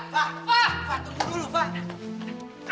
fah fah tunggu dulu fah